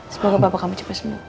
semoga bapak kami cepat sembuh